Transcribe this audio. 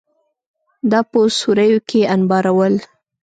دا په سوریو کې انبارول